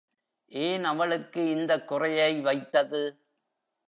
ஏன் அவளுக்கு இந்தக் குறையை வைத்தது?